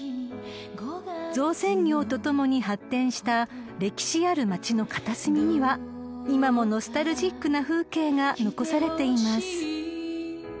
［造船業とともに発展した歴史ある町の片隅には今もノスタルジックな風景が残されています］